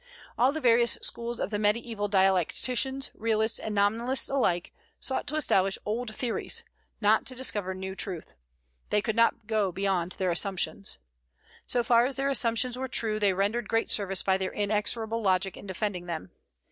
All the various schools of the mediaeval dialecticians, Realists and Nominalists alike, sought to establish old theories, not to discover new truth. They could not go beyond their assumptions. So far as their assumptions were true, they rendered great service by their inexorable logic in defending them.